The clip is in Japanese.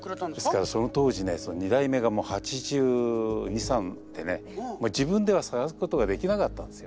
ですからその当時ねその２代目がもう８２８３でね自分では探すことができなかったんですよね。